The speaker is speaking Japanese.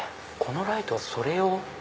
このライトはそれ用？